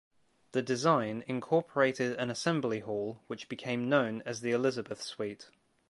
The design incorporated an assembly hall which became known as the Elizabeth Suite.